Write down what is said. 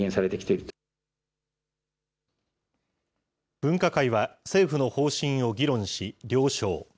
分科会は、政府の方針を議論し、了承。